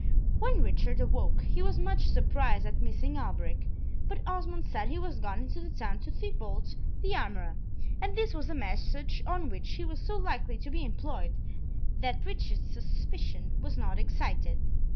When Richard awoke, he was much surprised at missing Alberic, but Osmond said he was gone into the town to Thibault the armourer, and this was a message on which he was so likely to be employed that Richard's suspicion was not excited.